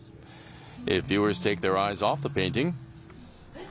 えっ。